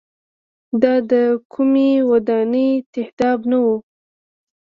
دا د کومۍ ودانۍ تهداب نه و.